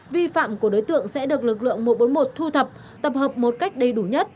vi phạm của đối tượng sẽ được lực lượng một trăm bốn mươi một thu thập tập hợp một cách đầy đủ nhất